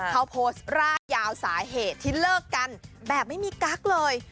เขาโพสต์ร่ายยาวสาเหตุที่เลิกกันแบบไม่มีกั๊กเลย